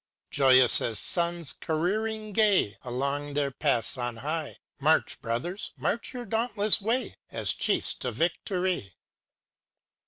Chorus â Joyous as suns careering gay Along their paths on high, March, brothers, march your dauntless way. As chiefs to victory!